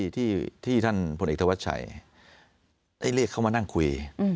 ที่ท่านพลเอกธวัชชัยได้เรียกเขามานั่งคุย